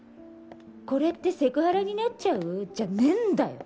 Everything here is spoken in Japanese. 「これってセクハラになっちゃう？」じゃねえんだよ！